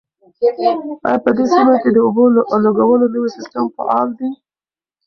آیا په دې سیمه کې د اوبو لګولو نوی سیستم فعال دی؟